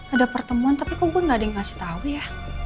ada pertemuan tapi kok gue gak ada yang ngasih tahu ya